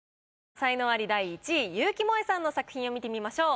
才能アリ第１位結城モエさんの作品を見てみましょう。